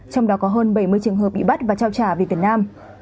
trong đó có hơn bảy mươi trường hợp bị bắt và trao trả về việt nam